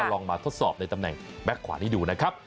ลองมาทดสอบในตำแหน่งแบ็คขวานี้ดูนะครับ